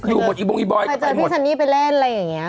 เจอพี่ซันนี่ไปเล่นอะไรอย่างเงี้ย